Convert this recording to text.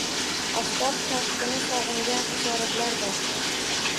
Oftob taftini sog’ingan hasharotlar bor.